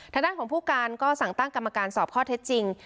ทางด้านของผู้การก็สั่งตั้งกรรมการสอบข้อเท็จจริง